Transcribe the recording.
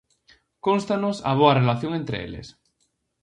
Cónstanos a boa relación entre eles.